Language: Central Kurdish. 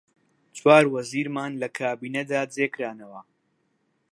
چوار وەزیرمان لە کابینەدا جێ کرانەوە: